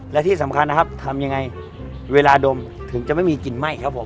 และที่สำคัญนะครับทำยังไงเวลาดมถึงจะไม่มีกลิ่นไหม้ครับผม